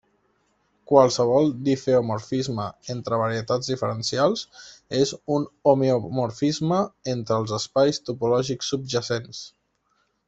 Qualsevol difeomorfisme entre varietats diferencials és un homeomorfisme entre els espais topològics subjacents.